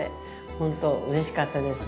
本当うれしかったです。